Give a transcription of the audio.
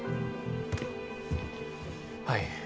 はい。